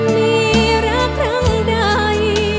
มีรักครั้งใด